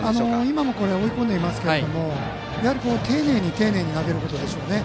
今も追い込んでいますが丁寧に丁寧に投げることでしょうね。